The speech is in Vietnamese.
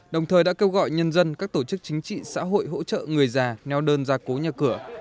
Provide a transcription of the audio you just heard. đồng thời đã kêu gọi nhân dân các tổ chức chính trị xã hội hỗ trợ người già neo đơn ra cố nhà cửa